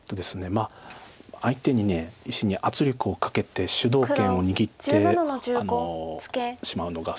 相手に石に圧力をかけて主導権を握ってしまうのが。